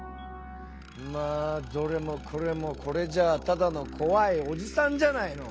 まあどれもこれもこれじゃあただのこわいおじさんじゃないの。